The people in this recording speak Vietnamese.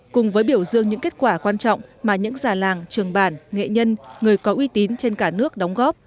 cùng với biểu dương những kết quả quan trọng mà những già làng trường bản nghệ nhân người có uy tín trên cả nước đóng góp